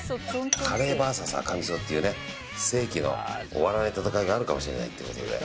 カレーＶＳ赤みそっていうね世紀のお笑い戦いがあるかもしれないということで。